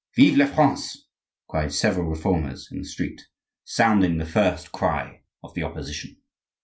"Vive la France!" cried several Reformers in the street, sounding the first cry of the opposition.